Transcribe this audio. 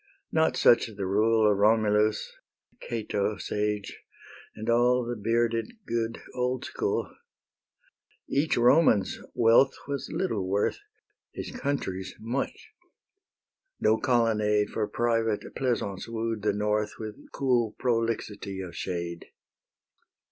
Not such the rule Of Romulus, and Cato sage, And all the bearded, good old school. Each Roman's wealth was little worth, His country's much; no colonnade For private pleasance wooed the North With cool "prolixity of shade."